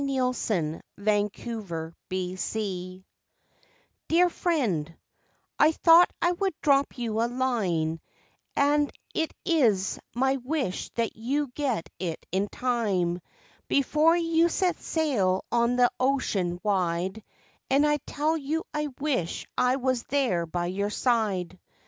A LETTER TO A FRIEND Dear Friend I thought I would drop you a line and it is my wish that you get it in time, before you set sail on the ocean wide, and I tell you I wish I was there by your side.